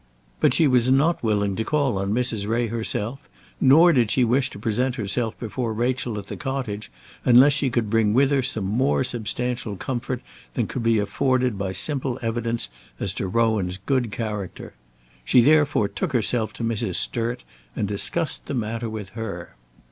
But she was not willing to call on Mrs. Ray herself, nor did she wish to present herself before Rachel at the cottage, unless she could bring with her some more substantial comfort than could be afforded by simple evidence as to Rowan's good character. She therefore took herself to Mrs. Sturt, and discussed the matter with her.